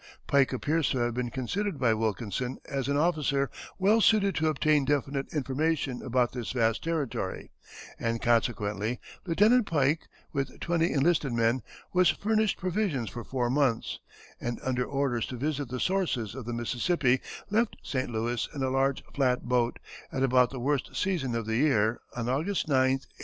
Pike appears to have been considered by Wilkinson as an officer well suited to obtain definite information about this vast territory, and consequently Lieutenant Pike, with twenty enlisted men, was furnished provisions for four months, and, under orders to visit the sources of the Mississippi, left St. Louis in a large flat boat, at about the worst season of the year, on August 9, 1805.